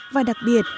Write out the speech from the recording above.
và đặc biệt